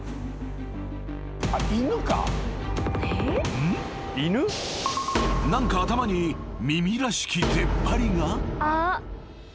［うん？何か頭に耳らしき出っ張りが］